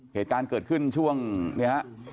เหตุการณ์เกิดขึ้นช่วงเนี่ยฮะ